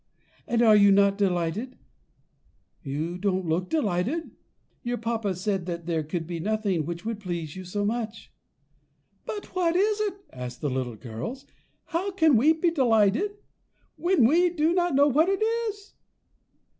And are you not delighted? you don't look delighted. Your papa said that there could be nothing which would please you so much." "But what is it?" asked the little girls; "how can we be delighted, when we do not know what it is?"